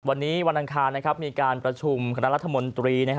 วันนี้วันอังคารมีการประชุมคณะรัฐมนตรี